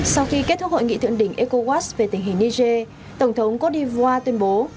sau khi kết thúc hội nghị thượng đỉnh ecowas về tình hình niger tổng thống cô đi vua tuyên bố